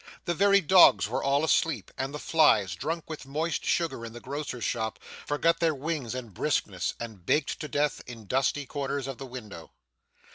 The very dogs were all asleep, and the flies, drunk with moist sugar in the grocer's shop, forgot their wings and briskness, and baked to death in dusty corners of the window.